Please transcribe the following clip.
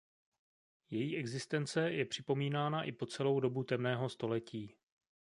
Její existence je připomínána i po celou dobu temného století.